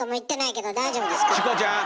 チコちゃん！